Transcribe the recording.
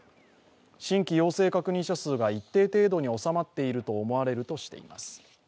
新規陽性確認者数が一定程度に収まっていると思われるとしています。